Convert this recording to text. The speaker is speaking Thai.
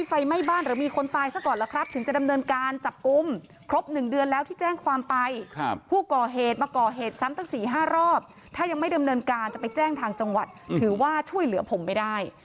ไฟไหม้บ้านหรือมีคนตายซะก่อนล่ะครับถึงจะดำเนินการจับกลุ่มครบ๑เดือนแล้วที่แจ้งความไปผู้ก่อเหตุมาก่อเหตุซ้ำตั้ง๔๕รอบถ้ายังไม่ดำเนินการจะไปแจ้งทางจังหวัดถือว่าช่วยเหลือผมไม่ได้